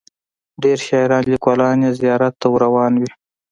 ډیر شاعران لیکوالان یې زیارت ته ور روان وي.